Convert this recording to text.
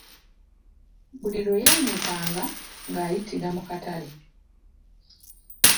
Buli lwe yannyukanga nga ayitira mu katale.